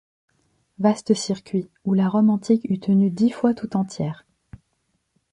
Vaste circuit, où la Rome antique eût tenu dix fois tout entière!